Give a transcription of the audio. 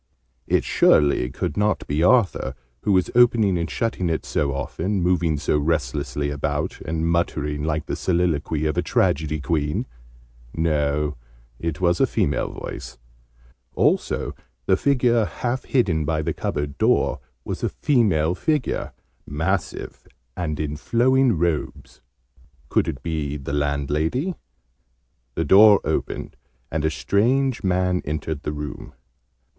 It surely could not be Arthur, who was opening and shutting it so often, moving so restlessly about, and muttering like the soliloquy of a tragedy queen! No, it was a female voice. Also the figure half hidden by the cupboard door was a female figure, massive, and in flowing robes. Could it be the landlady? The door opened, and a strange man entered the room.